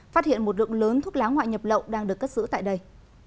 phát hiện một lượng lớn thuốc lá ngoại nhập lậu đang được cất giữ tại đây